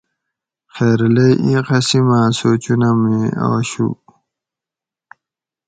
خیرلے ایں قسیماں سوچونہ می آشو